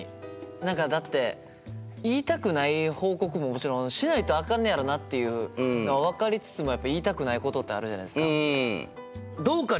何かだって言いたくない報告ももちろんしないとあかんねやろなっていうのは分かりつつもやっぱ言いたくないことってあるじゃないですか。